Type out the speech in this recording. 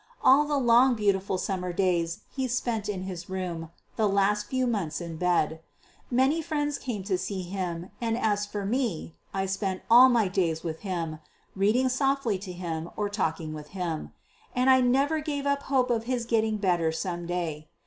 All the long, beautiful summer days he spent in his room, the last few months in bed. Many friends came to see him, and as for me, I spent all my days with him, reading softly to him or talking with him. And I never gave up hope of his getting better some day.